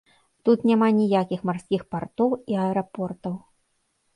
Тут няма ніякіх марскіх партоў і аэрапортаў.